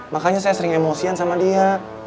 makanya saya sering emosian sama dia